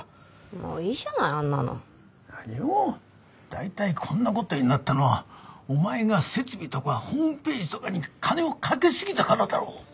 大体こんな事になったのはお前が設備とかホームページとかに金をかけすぎたからだろう。